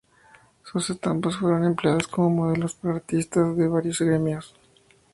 Sus estampas fueron empleadas como modelos por artistas de varios gremios.